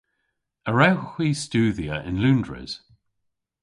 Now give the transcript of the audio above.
A wrewgh hwi studhya yn Loundres?